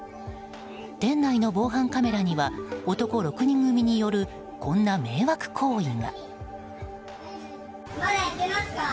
店内の防犯カメラには男６人組によるこんな迷惑行為が。